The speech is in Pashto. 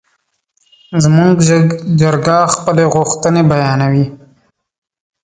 زموږ چرګه خپلې غوښتنې بیانوي.